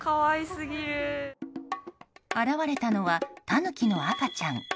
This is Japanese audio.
現れたのはタヌキの赤ちゃん。